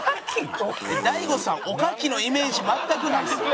大悟さんおかきのイメージ全くないですよ。